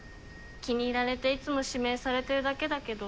気に入られていつも指名されてるだけだけど。